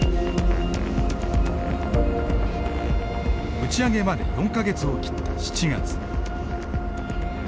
打ち上げまで４か月を切った７月。